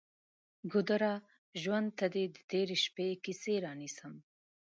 ګودره! ژوند ته دې د تیرې شپې کیسې رانیسم